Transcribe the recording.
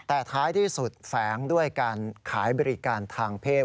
แต่ท้ายที่สุดแฝงด้วยการขายบริการทางเพศ